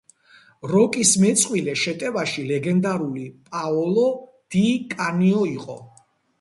როკის მეწყვილე შეტევაში ლეგენდარული პაოლო დი კანიო იყო.